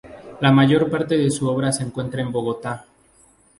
La mayor parte de su obra se encuentra en Bogotá.